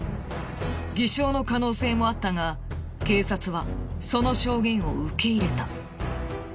偽証の可能性もあったが警察はその証言を受け入れた。